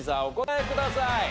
お答えください。